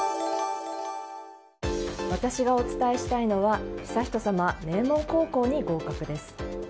私がお伝えしたいのは悠仁さま名門高校に合格です。